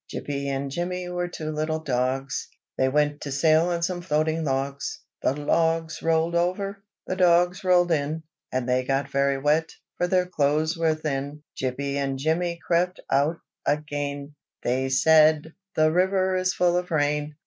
Jippy and Jimmy were two little dogs, They went to sail on some floating logs, The logs roll'd over: the dogs roll'd in, And they got very wet, for their clothes were thin. 2. Jippy and Jimmy crept out again, They said, "the river is full of rain!"